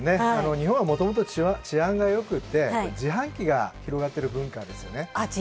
日本はもともと治安がよくて自販機が広がってる文化ですよね。